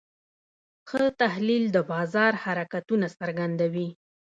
ښه تحلیل د بازار حرکتونه څرګندوي.